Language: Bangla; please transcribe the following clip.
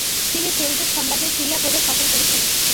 তিনি সেলজুক সাম্রাজ্যের সিরিয়া প্রদেশ শাসন করেছেন।